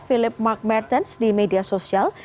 philip mark mertens di media sosial